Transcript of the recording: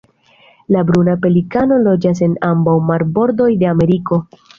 La Bruna pelikano loĝas en ambaŭ marbordoj de Ameriko.